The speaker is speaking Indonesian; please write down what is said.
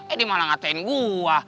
eh dia malah ngatain gue